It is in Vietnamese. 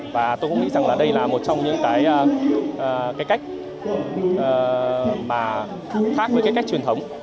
và tôi cũng nghĩ rằng đây là một trong những cái cách thác với cái cách truyền thống